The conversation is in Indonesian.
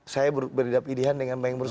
saya berbeda pilihan dengan bang emrus